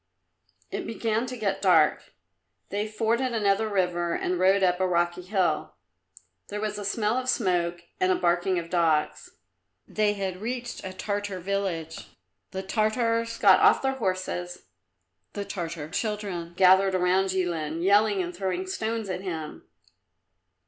It began to get dark; they forded another river and rode up a rocky hill; there was a smell of smoke and a barking of dogs. They had reached a Tartar village. The Tartars got off their horses; the Tartar children gathered round Jilin, yelling and throwing stones at him.